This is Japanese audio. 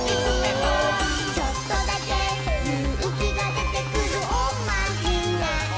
「ちょっとだけゆうきがでてくるおまじない」